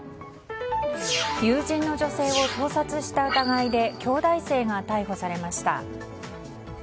友人の女性を盗撮した疑いで京大生が逮捕されました。